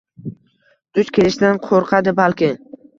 Duch kelishdan qoʻrqadi balki